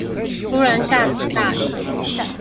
突然下起大雨